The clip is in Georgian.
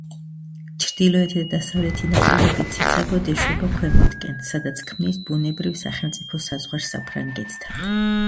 ჩრდილოეთი და დასავლეთი ნაპირები ციცაბოდ ეშვება ქვემოთკენ, სადაც ქმნის ბუნებრივ სახელმწიფო საზღვარს საფრანგეთთან.